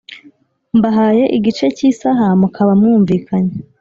mbahaye igice cy'isaha mukaba mwumvikanye,